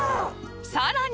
さらに